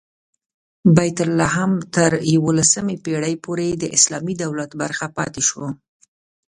بیت لحم تر یوولسمې پېړۍ پورې د اسلامي دولت برخه پاتې شو.